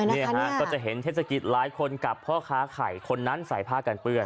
เราก็จะเห็นเทศกิจร้ายคนกับพ่อค้าขายคนนั้นส่ายผ้าการเปื้อน